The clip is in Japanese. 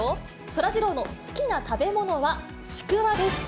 そらジローの好きな食べ物はちくわです。